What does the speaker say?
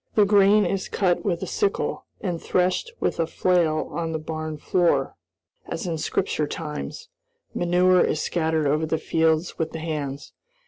The grain is cut with a sickle and threshed with a flail on the barn floor, as in Scripture times. Manure is scattered over the fields with the hands.